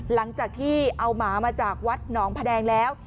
หลังจากที่เอาหมามาจากวัดหนองพะแดงแล้ว